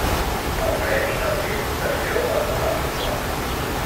El premi no té dotació econòmica.